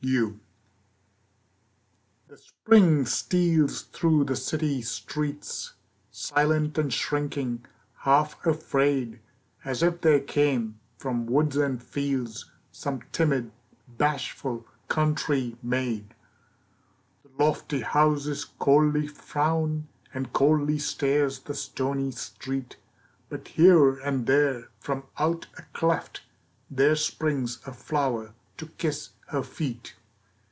THE Spring steals through the city streets, Silent and shrinking, half afraid, As if there came, from woods and fields, Some timid, bashful, country maid. The lofty houses coldly frown, And coldly stares the stony street; But here and there from out a cleft There springs a flower to kiss her feet.